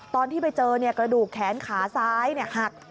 ตอนที่ไปเจอกระดูกแขนขาซ้ายหัก